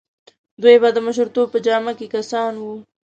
دوی به د مشرتوب په جامه کې کسان وو.